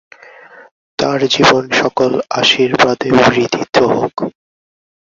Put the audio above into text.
তার জীবন সকল আশীর্বাদে বিধৃত হোক।